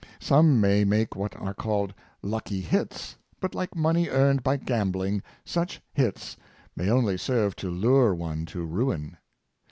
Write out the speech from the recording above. Some may make what are called ^' lucky hits,?' but like money earned by gambling, such ^' hits " may only serve to lure one to ruin.